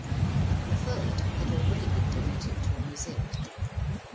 A third had already been donated to a museum.